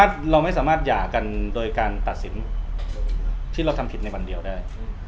ถ้าเราไม่สามารถหย่ากันโดยการตัดสินที่เราทำผิดในวันเดียวได้